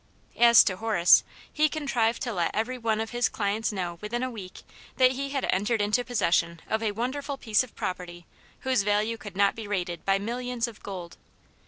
As to Horace, he contrived to let every one of his clients know within a week that he had entered into possession of a wonderful piece of property whose value could not be rated by millions of gold.